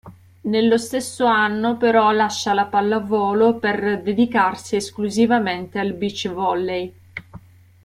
Nello stesso anno però lascia la pallavolo per dedicarsi esclusivamente al beach volley.